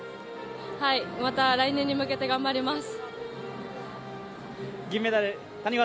また来年に向けて頑張ります。